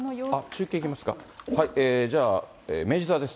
中継いきますか、じゃあ、明治座です。